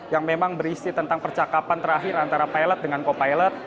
yang memang berisi tentang percakapan terakhir antara pilot dengan co pilot